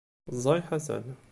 Ẓẓay Ḥasan.